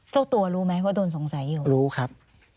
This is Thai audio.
เจ้าตัวรู้ไหมว่าโดนสงสัยอยู่รู้ครับ